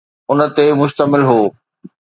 ان تي مشتمل هو